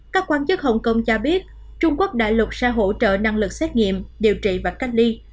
các quan chức hồng kông cho biết trung quốc đại lục sẽ hỗ trợ năng lực xét nghiệm điều trị và cách ly